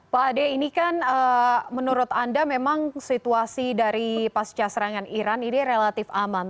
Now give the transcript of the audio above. pak ade ini kan menurut anda memang situasi dari pasca serangan iran ini relatif aman